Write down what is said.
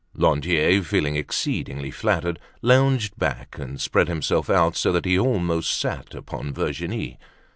Lantier, feeling exceedingly flattered, lounged back and spread himself out so that he almost sat upon Virginie.